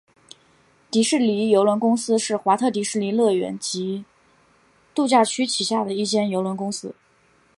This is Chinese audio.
迪士尼邮轮公司是华特迪士尼乐园及度假区旗下的一间邮轮公司。